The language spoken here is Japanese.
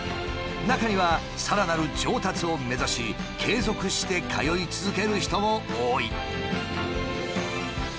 中にはさらなる上達を目指し継続して通い続ける人も多い。